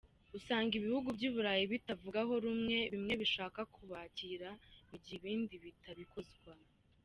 Usanga ibihugu by’Uburayi bitabivugaho rumwe, bimwe bishaka kubakira mu gihe ibindi bitabikozwa.